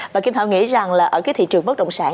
và kim thảo nghĩ rằng là ở cái thị trường bất động sản